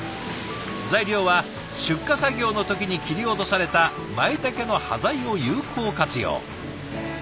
材料は出荷作業の時に切り落とされたまいたけの端材を有効活用。